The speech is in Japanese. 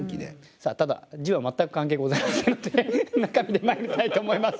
さあただ字は全く関係ございませんので中身でまいりたいと思います。